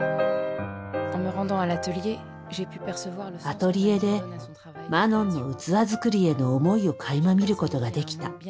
アトリエでマノンの器作りへの思いをかいま見ることができた。